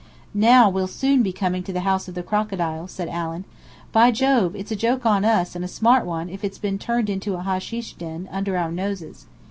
"Now we'll soon be coming to the House of the Crocodile," said Allen. "By Jove, it's a joke on us, and a smart one, if it's been turned into a hasheesh den, under our noses.